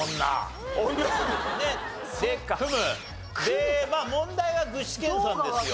で「組む」で問題は具志堅さんですよ。